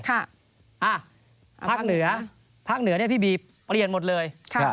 ภาคเหนือภาคเหนือเนี่ยพี่บีเปลี่ยนหมดเลย